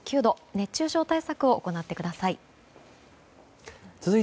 熱中症対策を行ってください。